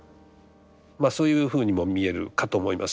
まあそういうふうにも見えるかと思います。